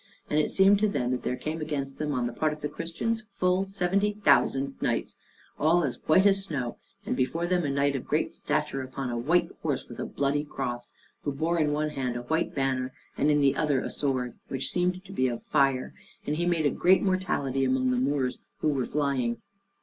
And it seemed to them that there came against them on the part of the Christians full seventy thousand knights, all as white as snow: and before them a knight of great stature upon a white horse with a bloody cross, who bore in one hand a white banner, and in the other a sword which seemed to be of fire, and he made a great mortality among the Moors who were flying.